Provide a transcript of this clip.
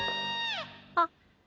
あっ。